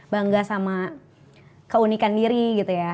bangga sama keunikan diri gitu ya